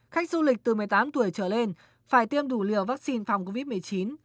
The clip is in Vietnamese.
khách du lịch từ một mươi tám tuổi trở lên phải tiêm đủ liều vaccine phòng covid một mươi chín